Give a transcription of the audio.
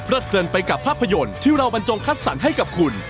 เกินไปกับภาพยนตร์ที่เราบรรจงคัดสรรให้กับคุณ